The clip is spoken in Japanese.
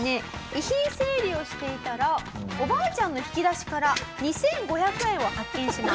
遺品整理をしていたらおばあちゃんの引き出しから２５００円を発見します。